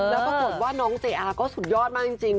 แล้วปรากฏว่าน้องเจอาก็สุดยอดมากจริง